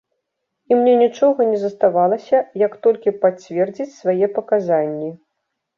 І мне нічога не заставалася, як толькі пацвердзіць свае паказанні.